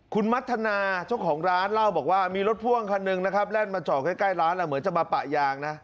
คุณมัธนาเจ้าของร้านเล่าบอกว่ามีรถพ่วงคันหนึ่งนะครับแล่นมาจอดใกล้ร้านแล้วเหมือนจะมาปะยางนะ